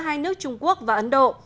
giữa hai nước trung quốc và ấn độ